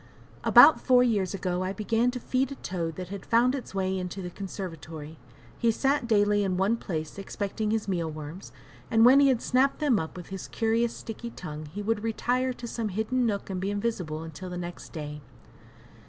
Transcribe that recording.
About four years ago I began to feed a toad that had found its way into the conservatory. He sat daily in one place expecting his meal worms, and when he had snapped them up with his curious sticky tongue he would retire to some hidden nook and be invisible until the next day.